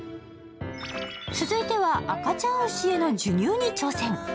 続いては、赤ちゃん牛への授乳に挑戦。